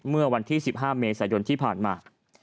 เมื่อวันที่๑๕เมษายนที่ผ่านมา